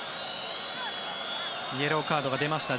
イエローカードが出ました